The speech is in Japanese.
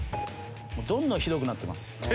どんどんひどくなってます。